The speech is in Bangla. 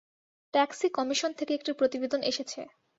ট্যাক্সি কমিশন থেকে একটি প্রতিবেদন এসেছে।